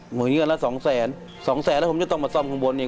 เหมือนเงินละสองแสนสองแสนแล้วผมจะต้องมาซ่อมข้างบนเนี่ย